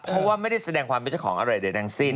เพราะว่าไม่ได้แสดงความเป็นเจ้าของอะไรใดทั้งสิ้น